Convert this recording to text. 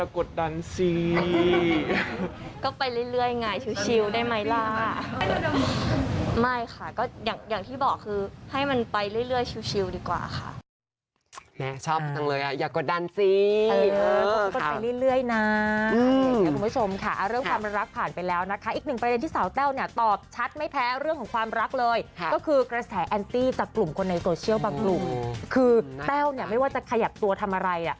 ของท้ายแอจากกลุ่มคนในโซเชียลบางกลุ่มคือเป้านี่ไม่ว่าจะขยับตัวทำอะไร